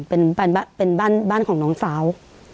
เป็นบ้านของน้องสาว